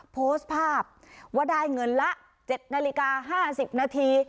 โพสต์ภาพว่าได้เงินละ๗นาฬิกา๕๐นาที